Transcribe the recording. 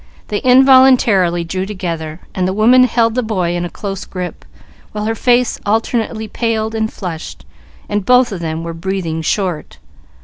They involuntarily drew together, and the woman held the boy in a close grip, while her face alternately paled and flushed, and both of them were breathing short.